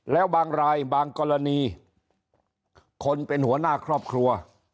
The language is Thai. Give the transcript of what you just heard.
แล้วบางรายบางกรณีคนเป็นหัวหน้าครอบครัว